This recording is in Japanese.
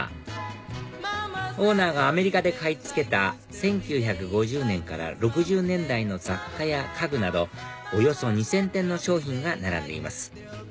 ＢＩＧＭＡＭＡオーナーがアメリカで買い付けた１９５０年から６０年代の雑貨や家具などおよそ２０００点の商品が並んでいます